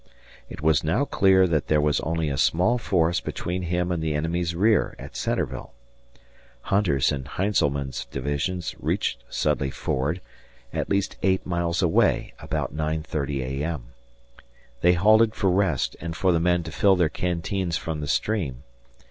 It was now clear that there was only a small force between him and the enemy's rear at Centreville. Hunter's and Heintzelman's divisions reached Sudley Ford, at least eight miles away, about 9.30 A.M. They halted for rest and for the men to fill their canteens from the stream.